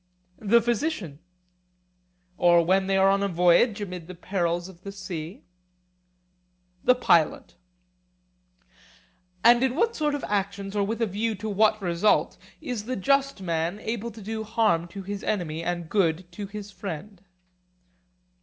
The physician. Or when they are on a voyage, amid the perils of the sea? The pilot. And in what sort of actions or with a view to what result is the just man most able to do harm to his enemy and good to his friend?